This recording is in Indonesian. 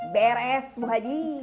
beres semua aja